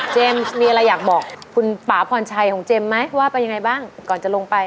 มีอะไรอยากบอกคุณป่าพรชัยของเจมส์ไหมว่าไปยังไงบ้างก่อนจะลงไป